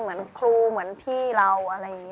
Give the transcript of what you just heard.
ชื่องนี้ชื่องนี้ชื่องนี้ชื่องนี้ชื่องนี้